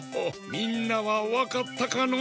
みんなはわかったかの？